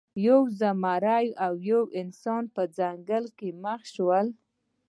یو زمری او یو انسان په ځنګل کې مخ شول.